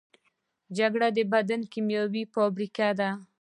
جگر د بدن کیمیاوي فابریکه ده.